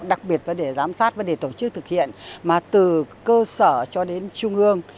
đặc biệt vấn đề giám sát vấn đề tổ chức thực hiện mà từ cơ sở cho đến trung ương